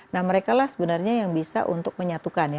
nah mereka lah sebenarnya yang bisa untuk menyatukan ya